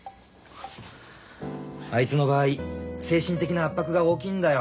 あいつの場合精神的な圧迫が大きいんだよ。